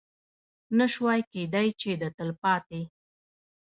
نه شوای کېدی چې د تلپاتې